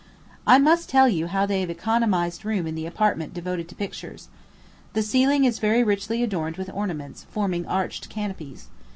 I must tell you how they have economized room in the apartment devoted to pictures. The ceiling is very richly adorned with ornaments, forming arched canopies.